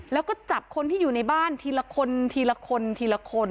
แล้วก็จับคนที่อยู่ในบ้านทีละคนทีละคนทีละคน